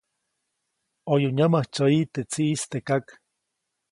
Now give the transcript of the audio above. ʼOyu nyämäjtsyäyi teʼ tsiʼis teʼ kak.